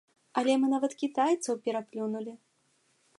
Але мы нават кітайцаў пераплюнулі!